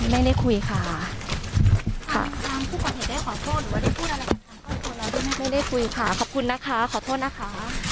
ไม่ได้คุยค่ะค่ะค่ะไม่ได้คุยค่ะขอบคุณนะคะขอโทษนะคะ